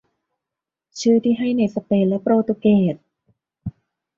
ชื่อที่ให้ในสเปนและโปรตุเกส